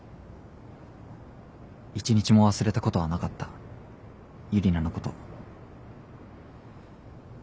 一日も忘れたことはなかったユリナのこと。